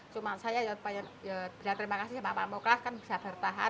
saya bilang terima kasih sama pak muklas kan bisa bertahan